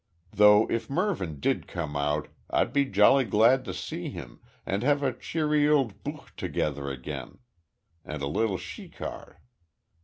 Though if Mervyn did come out I'd be jolly glad to see him, and have a cheery old bukh together again and a little _shikar.